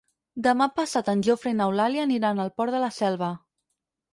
Demà passat en Jofre i n'Eulàlia aniran al Port de la Selva.